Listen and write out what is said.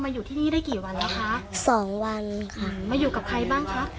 อยู่ที่นี่ได้กี่วันแล้วคะสองวันค่ะมาอยู่กับใครบ้างคะ